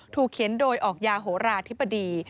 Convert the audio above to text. เขียนโดยออกยาโหราธิบดี